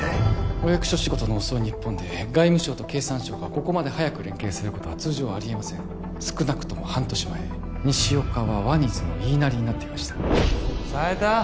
お役所仕事の遅い日本で外務省と経産省がここまで早く連携することは通常ありえません少なくとも半年前西岡はワニズの言いなりになっていました